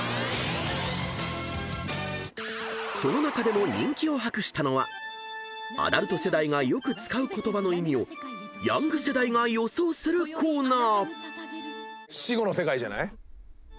［その中でも人気を博したのはアダルト世代がよく使う言葉の意味をヤング世代が予想するコーナー］